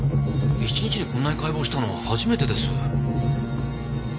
１日でこんなに解剖したの初めてです。